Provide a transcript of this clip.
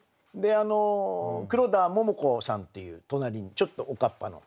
黒田杏子さんっていう隣にちょっとおかっぱの。